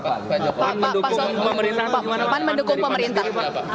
pak pak pak pak pak pak mendukung pemerintah